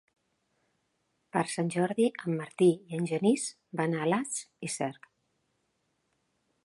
Per Sant Jordi en Martí i en Genís van a Alàs i Cerc.